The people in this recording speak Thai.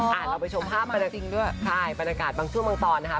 หรออ่าเราไปชมภาพจริงด้วยใช่บรรยากาศบางชั่วเมืองตอนนะคะ